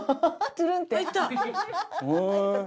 ツルンって。